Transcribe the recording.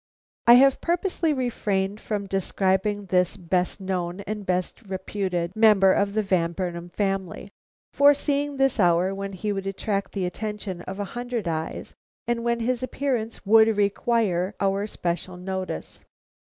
I have purposely refrained from describing this best known and best reputed member of the Van Burnam family, foreseeing this hour when he would attract the attention of a hundred eyes and when his appearance would require our special notice.